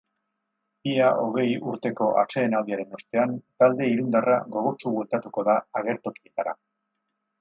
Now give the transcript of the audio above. Ia hogei urteko atsedenaldiaren ostean, talde irundarra gogotsu bueltatuko da agertokietara.